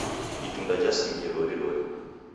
Itunda jasingie loliloli.